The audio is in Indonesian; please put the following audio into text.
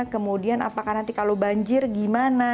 kemudian apakah nanti kalau banjir gimana